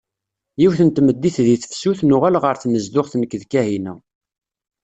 Yiwet n tmeddit deg tefsut, nuɣal ɣer tnezduɣt nekk d Kahina.